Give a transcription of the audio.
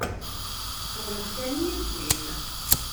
D tewnef kan i yi-yewwin.